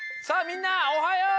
みんなおはよう！